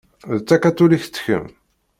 D takatulikt kemm?